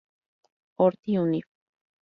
Horti Univ.